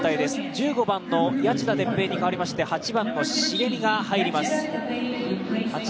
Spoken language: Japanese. １５番の谷内田哲平に代わりまして、８番の重見が入ります。